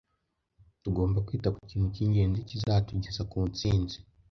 Tugomba kwita ku kintu cy’ingenzi kizatugeza ku ntsinzi